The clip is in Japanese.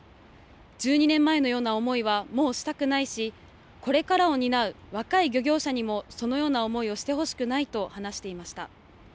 １２年前のような思いはもうしたくないし、これからを担う若い漁業者にもそのような思いをしてほしくないと話していました。